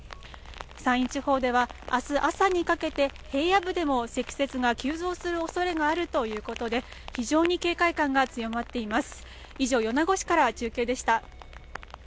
山陰地方では明日朝にかけて平野部でも積雪が急増するおそれがあるということで非常に警戒感が強まっています。